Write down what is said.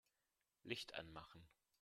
Licht anmachen.